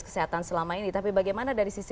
kesehatan selama ini tapi bagaimana dari sisi